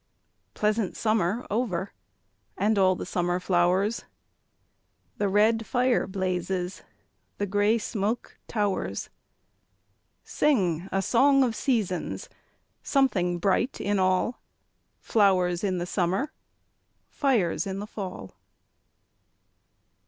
Pleasant summer over And all the summer flowers, The red fire blazes, The grey smoke towers. Sing a song of seasons! Something bright in all! Flowers in the summer, Fires in the fall!